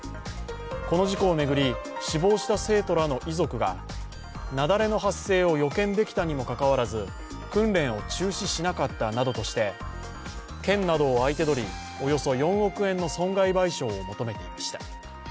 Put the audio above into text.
この事故を巡り、死亡した生徒らの遺族が雪崩の発生を予見できたにもかかわらず、訓練を中止しなかったなとどして、県などを相手取り、およそ４億円の損害賠償を求めていました。